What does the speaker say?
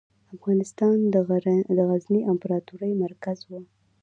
افغانستان د غزني امپراتورۍ مرکز و.